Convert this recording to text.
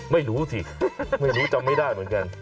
ไม่รู้สิไม่รู้จำไม่ได้เหมือนกัน